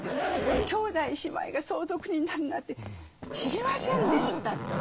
「兄弟姉妹が相続人になるなんて知りませんでした」と。